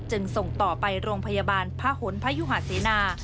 จึงส่งต่อไปโรงพยาบาลพระหลพยุหาเสนา